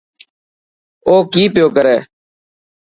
اوڪي پيو ڪري.